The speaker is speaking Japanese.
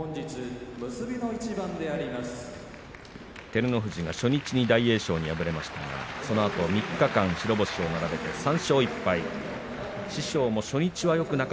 照ノ富士、初日に大栄翔に敗れましたがそのあと３日間白星を並べています。